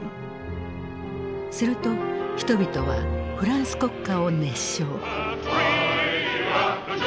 すると人々はフランス国歌を熱唱。